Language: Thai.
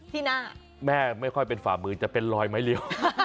ที่หน้าแม่ไม่ค่อยเป็นฝ่ามือจะเป็นรอยไม้เลี้ยว